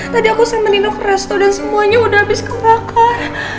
tadi aku sama nino ke resto dan semuanya udah habis kebakar